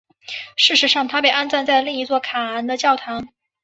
事实上她被安葬在另一座卡昂的教堂。